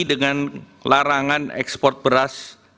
dengan larangan ekspor beras